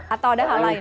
atau ada hal lain